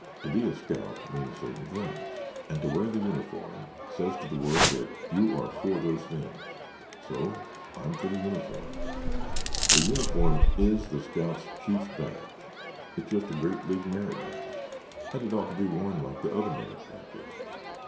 To be a scout means certain things and to wear the uniform says to the world that you are for those things. So I'm for the uniform. The uniform is the scout's chief badge. It's just a great, big merit badge and it ought to be worn like the other merit badges."